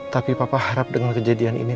tapi papa harap dengan kejadian ini